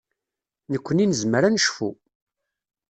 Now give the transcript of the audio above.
Nekkni nezmer ad necfu.